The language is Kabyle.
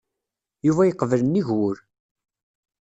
Yuba yeqbel nnig wul.